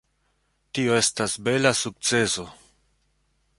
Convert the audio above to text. Tio estas bela sukceso.